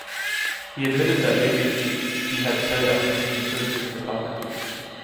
He admitted that maybe he had said everything he could through photography.